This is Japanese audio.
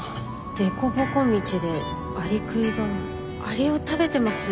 でこぼこ道でアリクイがアリを食べてます。